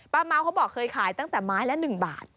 เมาเขาบอกเคยขายตั้งแต่ไม้ละ๑บาท